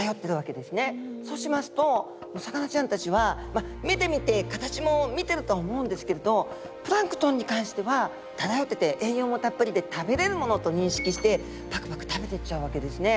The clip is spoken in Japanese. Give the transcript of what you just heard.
そうしますとお魚ちゃんたちは目で見て形も見てるとは思うんですけれどプランクトンに関しては漂ってて栄養もたっぷりで食べれるものと認識してパクパク食べてっちゃうわけですね。